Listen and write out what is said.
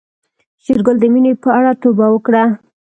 شېرګل د مينې په اړه توبه وکړه.